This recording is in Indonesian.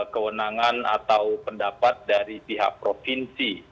kewenangan atau pendapat dari pihak provinsi